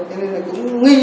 nên là cũng nghi cái thằng em